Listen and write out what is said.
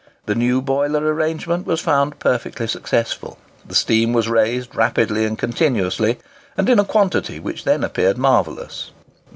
The new boiler arrangement was found perfectly successful. The steam was raised rapidly and continuously, and in a quantity which then appeared marvellous.